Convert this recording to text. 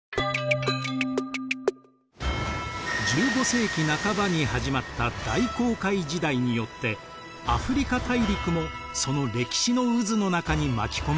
１５世紀半ばに始まった大航海時代によってアフリカ大陸もその歴史の渦の中に巻き込まれていきます。